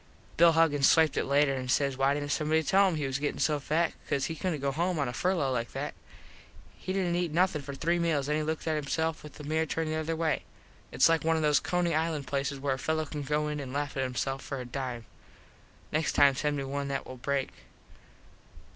Bill Huggins swiped it later and says why didnt somebody tell him he was gettin so fat cause he couldnt go home on a furlo like that. He didnt eat nothin for three meals and then he looked at hisseif with the mirror turned the other way. Its like one of those Coney Island places where a fello can go in and laff at hisself for a dime. Next time send me one that will break.